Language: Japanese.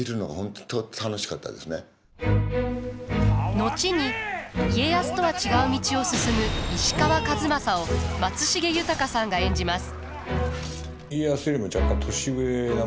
後に家康とは違う道を進む石川数正を松重豊さんが演じます。